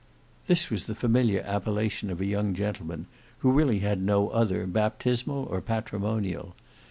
This was the familiar appellation of a young gentleman, who really had no other, baptismal or patrimonial.